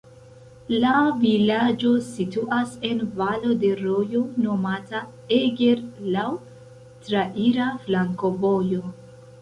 La vilaĝo situas en valo de rojo nomata Eger, laŭ traira flankovojo.